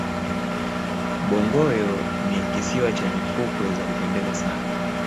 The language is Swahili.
bongoyo ni kisiwa chenye fukwe za kupendeza sana